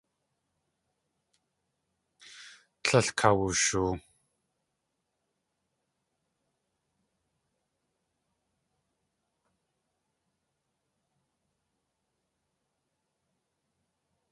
Tlél kawushoo.